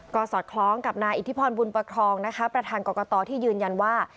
กศคล้องกับนอิทธิพลภูมิบุญปฮประทานกรกตที่ยืนยันต์ว่า